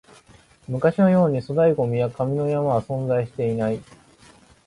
昔のように粗大ゴミや紙の山は存在していない